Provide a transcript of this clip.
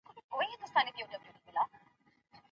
مسلکي زده کړي خلګو ته کار پیدا کوي.